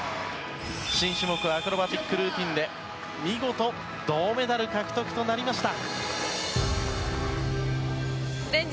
新種目アクロバティックルーティンで見事、銅メダル獲得となりました。